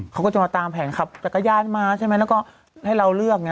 เขาก็จะมาตามแผนขับจักรยานมาใช่ไหมแล้วก็ให้เราเลือกไง